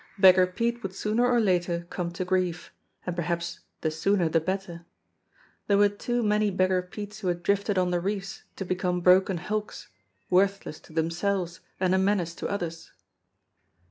Beggar Pete would sooner or later come to grief, and perhaps the sooner the better. There were too many Beggar Petes who had drifted on the reefs to become broken hulks, worthless to themselves and a menace to others